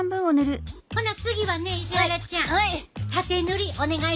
ほな次はね石原ちゃんタテ塗りお願いします。